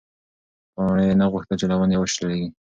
پاڼې نه غوښتل چې له ونې وشلېږي.